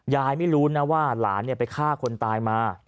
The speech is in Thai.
ยายไม่รู้นะว่าหลานไปฆ่าคนตายมา